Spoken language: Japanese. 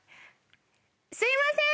すいません！